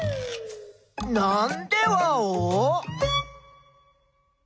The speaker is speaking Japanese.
なんでワオ？